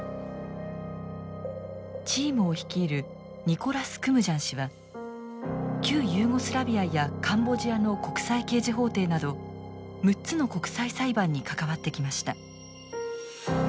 チームを率いるニコラス・クムジャン氏は旧ユーゴスラビアやカンボジアの国際刑事法廷など６つの国際裁判に関わってきました。